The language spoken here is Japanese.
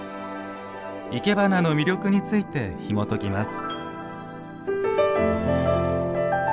いけばなの魅力についてひもときます。